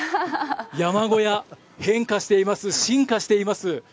山小屋、変化しています、進化しています。